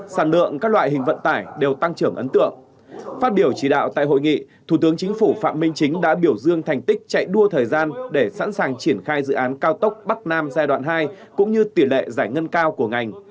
sản lượng các loại hình vận tải đều tăng trưởng ấn tượng phát biểu chỉ đạo tại hội nghị thủ tướng chính phủ phạm minh chính đã biểu dương thành tích chạy đua thời gian để sẵn sàng triển khai dự án cao tốc bắc nam giai đoạn hai cũng như tỷ lệ giải ngân cao của ngành